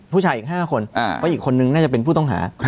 ผู้ชายอีก๕คนเพราะอีกคนนึงน่าจะเป็นผู้ต้องหา